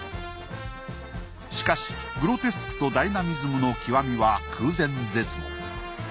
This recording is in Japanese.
しかしグロテスクとダイナミズムの極みは空前絶後。